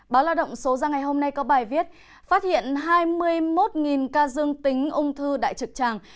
báo lao động số ra ngày hôm nay có bài viết phát hiện hai mươi một ca dương tính ung thư đại trực tràng